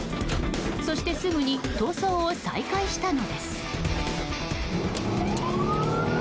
そしてすぐに逃走を再開したのです。